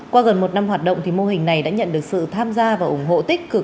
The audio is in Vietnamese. qua gần một năm hoạt động thì mô hình này đã nhận được sự tham gia và ủng hộ tích cực